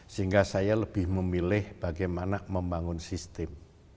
sehingga saya lebih memilih bagaimana membangun sistem